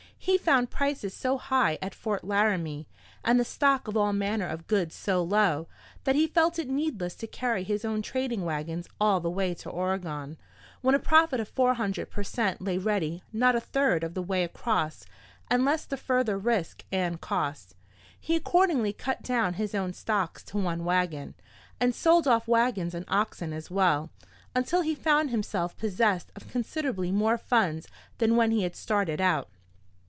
He found prices so high at Fort Laramie, and the stock of all manner of goods so low, that he felt it needless to carry his own trading wagons all the way to Oregon, when a profit of 400 per cent lay ready not a third of the way across and less the further risk and cost. He accordingly cut down his own stocks to one wagon, and sold off wagons and oxen as well, until he found himself possessed of considerably more funds than when he had started out.